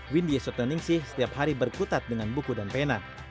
windy soteningsih setiap hari berkutat dengan buku dan penat